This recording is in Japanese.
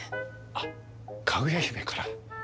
あっかぐや姫から。